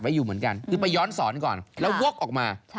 อยู่เหมือนกันคือไปย้อนสอนก่อนแล้ววกออกมา